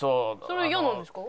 それ嫌なんですか？